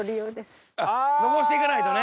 残していかないとね。